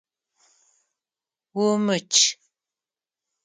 Умычъ!